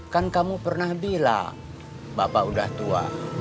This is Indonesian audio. kan kamu pernah bilang bapak udah tua